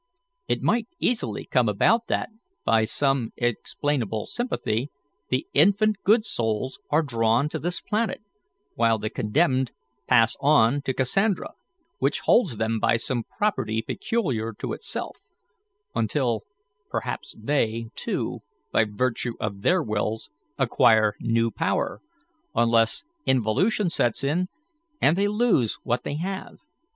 It might easily come about that, by some explainable sympathy, the infant good souls are drawn to this planet, while the condemned pass on to Cassandra, which holds them by some property peculiar to itself, until perhaps they, too, by virtue of their wills, acquire new power, unless involution sets in and they lose what they have.